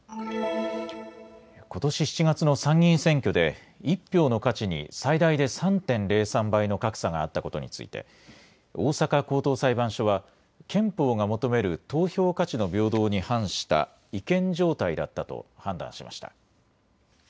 ことし７月の参議院選挙で１票の価値に最大で３．０３倍の格差があったことについて大阪高等裁判所は憲法が求める投票価値の平等に反した違憲状態だったと判断しました。